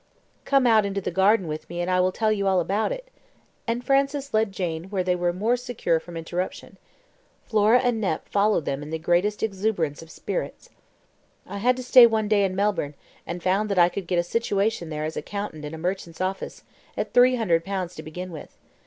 "Come out into the garden with me, and I will tell you all about it;" and Francis led Jane where they were more secure from interruption. Flora and Nep followed them in the greatest exuberance of spirits. "I had to stay one day in Melbourne, and found that I could get a situation there as accountant in a merchant's office, at 300 pounds to begin with.